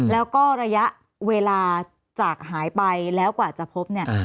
แล้วก็ระยะเวลาจากหายไปแล้วกว่าจะพบเนี่ย